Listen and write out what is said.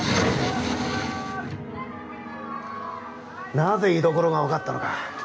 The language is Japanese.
・なぜ居所が分かったのか。